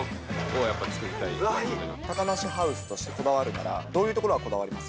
高梨ハウスとしてこだわるなら、どういうところ、こだわります？